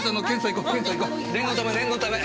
念のため念のため。